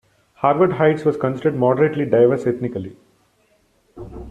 Harvard Heights was considered moderately diverse ethnically.